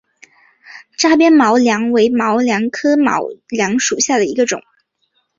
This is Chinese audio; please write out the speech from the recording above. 窄瓣毛茛为毛茛科毛茛属下的一个种。